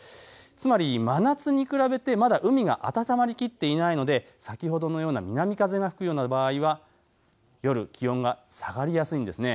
つまり真夏に比べるとまだ海が温まりきっていないので先ほどのような南風が吹くような場合は夜、気温が下がりやすいんです。